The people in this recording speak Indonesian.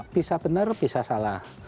bisa benar bisa salah